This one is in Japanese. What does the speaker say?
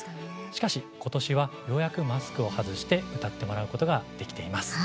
しかし、今年はようやくマスクを外して歌ってもらうことができています。